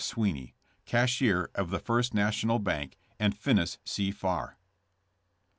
Swinney, cash ier of the First National Bank, and Finis C. Farr.